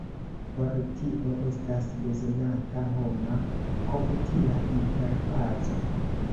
Por tio estas bezonata homa-komputila interfaco.